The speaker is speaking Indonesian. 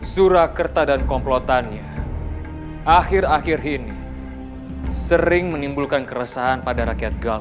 surakarta dan komplotannya akhir akhir ini sering menimbulkan keresahan pada rakyat gas